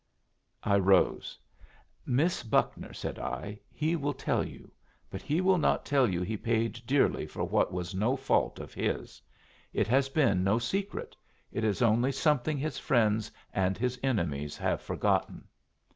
I rose. "Miss Buckner," said I, "he will tell you. But he will not tell you he paid dearly for what was no fault of his. It has been no secret. It is only something his friends and his enemies have forgotten."